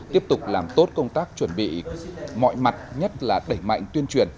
tiếp tục làm tốt công tác chuẩn bị mọi mặt nhất là đẩy mạnh tuyên truyền